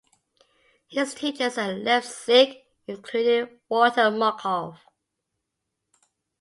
His teachers at Leipzig included Walter Markov.